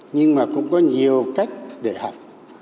nhưng mà cũng có nhiều cách để học